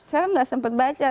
saya gak sempat baca